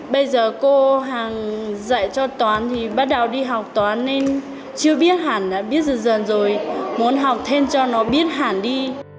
bây giờ cô hàng dạy cho toán thì bắt đầu đi học toán nên chưa biết hẳn đã biết dần dần rồi muốn học thêm cho nó biết hẳn đi